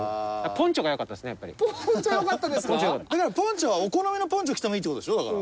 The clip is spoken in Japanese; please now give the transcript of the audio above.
ポンチョはお好みのポンチョ着てもいいって事でしょ？だから。